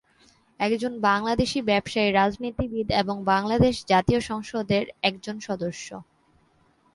একজন বাংলাদেশী ব্যবসায়ী, রাজনীতিবিদ এবং বাংলাদেশ জাতীয় সংসদের একজন সদস্য।